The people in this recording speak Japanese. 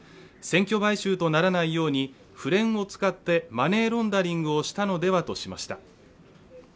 選挙買収とならないように府連を使ってマネーロンダリングをしたのではとしました。